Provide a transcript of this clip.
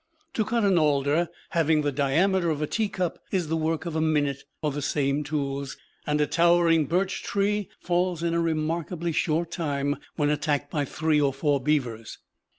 To cut an alder having the diameter of a teacup is the work of a minute for the same tools; and a towering birch tree falls in a remarkably short time when attacked by three or four beavers.